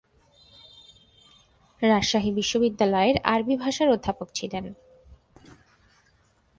রাজশাহী বিশ্ববিদ্যালয়ের আরবী ভাষার অধ্যাপক ছিলেন।